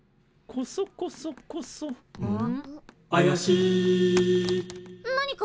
コソコソコソん？